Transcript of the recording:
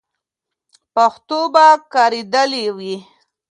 پښتو به کارېدلې وي.